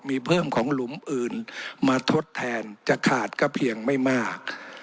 มีเพิ่มของหลุมอื่นมาทดแทนจะขาดก็เพียงไม่มาก